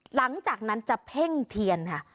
หลังจากนั้นจะเพ่งเทียนค่ะ